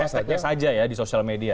hashtagnya saja ya di sosial media